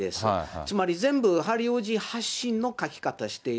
つまり全部、ハリー王子発信の書き方している。